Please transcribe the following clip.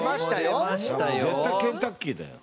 絶対ケンタッキーだよ。